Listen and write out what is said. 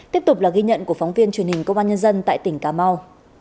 tiếp tục là ghi nhận của phóng viên truyền hình công an nhân dân tại tỉnh cà mau